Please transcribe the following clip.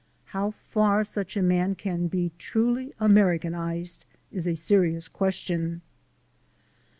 How far such a man can be truly Americanized is a serious question.